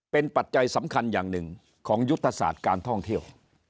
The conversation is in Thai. เป็นปัจจัยสำคัญอย่างหนึ่งของยุทธศาสตร์การท่องเที่ยว